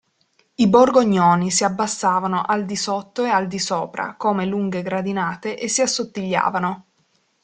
I borgognoni si abbassavano al disotto e al di sopra come lunghe gradinate e si assottigliavano.